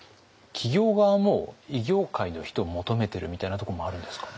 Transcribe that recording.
企業側も異業界の人を求めてるみたいなとこもあるんですか？